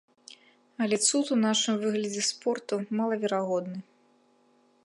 Але цуд у нашым выглядзе спорту малаверагодны.